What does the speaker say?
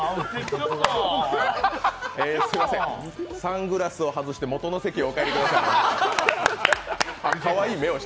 すみません、サングラスを外して元の席へお戻りください。